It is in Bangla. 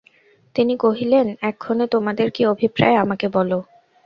তিনি কহিলেন, এক্ষণে তোমাদের কী অভিপ্রায় আমাকে বলো।